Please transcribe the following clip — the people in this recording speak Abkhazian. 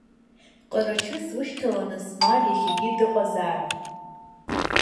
Ҟарачы слышьҭаланы смаар, иахьагьы дыҟазаарын.